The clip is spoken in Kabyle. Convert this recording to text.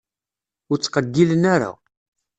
Ur ttqeyyilen ara.